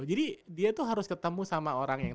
jadi dia tuh harus ketemu sama orang yang